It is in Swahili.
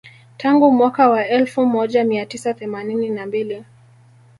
Tangu mwaka wa elfu moja mia tisa themanini na mbili